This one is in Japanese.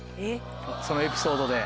そのエピソードで。